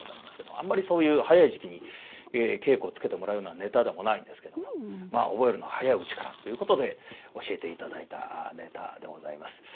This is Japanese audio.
あんまりそういう早い時期に稽古をつけてもらうようなネタでもないんですけどもまあ覚えるのは早いうちからということで教えて頂いたネタでございます。